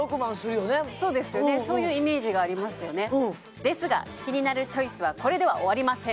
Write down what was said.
そういうイメージがありますよねですが「キニナルチョイス」はこれでは終わりません